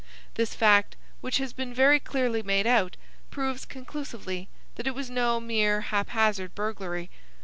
This fact, which has been very clearly made out, proves conclusively that it was no mere haphazard burglary.